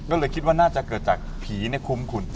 ก็เลยคิดว่าน่าจะเกิดจากผีคุ้มคุณ